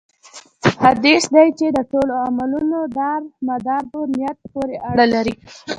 حديث دی چې: د ټولو عملونو دار مدار په نيت پوري اړه لري